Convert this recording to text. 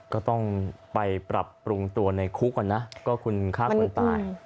ก็ต้องไปปรับปรุงตัวในคุกนะก็คุณฆ่าคนตาย